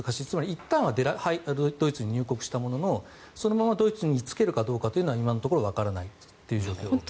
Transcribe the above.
いったんはドイツに入国したもののそのままドイツに居つけるかというのは今のところわからない状況です。